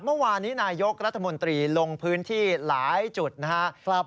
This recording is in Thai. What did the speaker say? เมื่อวานนี้นายกรัฐมนตรีลงพื้นที่หลายจุดนะครับ